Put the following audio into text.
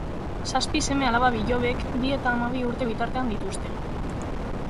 Zazpi seme-alaba-bilobek bi eta hamabi urte bitartean dituzte.